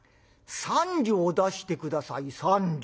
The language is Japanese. ３両出して下さい３両。